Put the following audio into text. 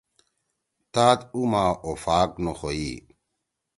تات اُو ما اوپھاگ نخوئی۔